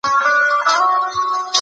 آزادي حق دی.